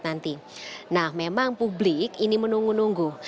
nah memang publik ini menunggu nunggu